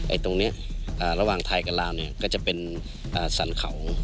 ไอตรงเนี้ยอ่าระหว่างไทยกับลาวเนี้ยก็จะเป็นอ่าสรรเขา